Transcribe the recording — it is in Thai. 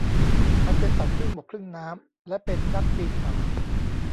มันเป็นสัตว์ครึ่งบกครึ่งน้ำและเป็นนักปีนเขา